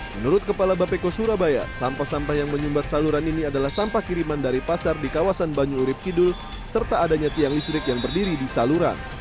menurut kepala bapeko surabaya sampah sampah yang menyumbat saluran ini adalah sampah kiriman dari pasar di kawasan banyu urib kidul serta adanya tiang listrik yang berdiri di saluran